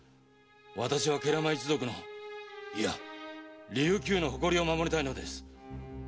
私は慶良間一族のいや琉球の誇りを守りたいのです。